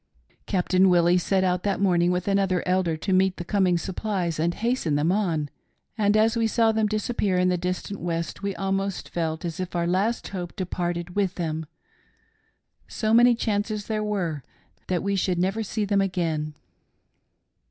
" Captain Willie set out that morning with another Elder to meet the coming supplies and hasten them on, and ^s we saw them disappear in the distant west we almost felt as if our last hope departed with them, so many chances there were that we should never see them again.